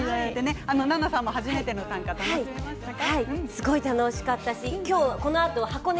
奈々さんも初めての短歌楽しめましたか。